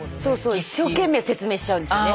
一生懸命説明しちゃうんですよね。